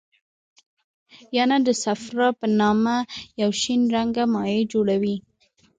ینه د صفرا په نامه یو شین رنګه مایع جوړوي.